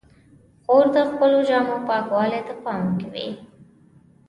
خور د خپلو جامو پاکوالي ته پام کوي.